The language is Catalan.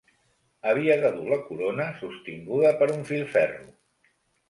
Havia de dur la corona sostinguda per un filferro